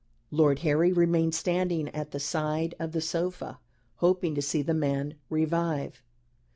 Lord Harry remained standing at the side of the sofa, hoping to see the man revive.